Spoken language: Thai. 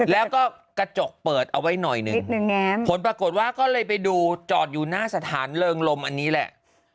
แล้วก็กระจกเปิดเอาไว้หน่อยหนึ่งนิดหนึ่งผลปรากฏว่าก็เลยไปดูจอดอยู่หน้าสถานเริงลมอันนี้แหละ